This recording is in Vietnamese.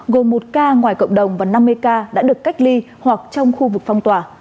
gồm một ca ngoài cộng đồng và năm mươi ca đã được cách ly hoặc trong khu vực phong tỏa